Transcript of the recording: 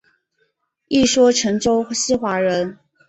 一说陈州西华人。